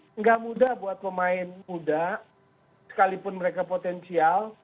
tidak mudah buat pemain muda sekalipun mereka potensial